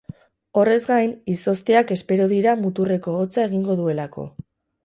Horrez gain, izozteak espero dira muturreko hotza egingo duelako.